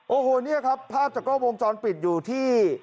โอ้โหนี่แหละครับภาพจากโลกวงจรปิดอยู่ที่